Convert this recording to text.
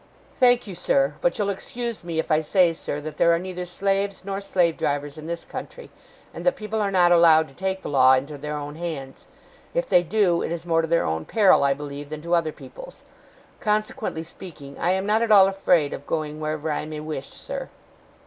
'Thank you, sir. But you'll excuse me if I say, sir, that there are neither slaves nor slave drivers in this country, and that people are not allowed to take the law into their own hands. If they do, it is more to their own peril, I believe, than to other people's. Consequently speaking, I am not at all afraid of going wherever I may wish, sir.